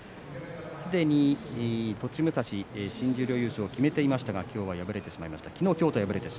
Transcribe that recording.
すでに栃武蔵、新十両優勝を決めていましたが昨日、今日と敗れてしまいました。